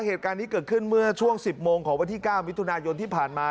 เหตุการณ์นี้เกิดขึ้นเมื่อช่วง๑๐โมงของวันที่๙มิถุนายนที่ผ่านมา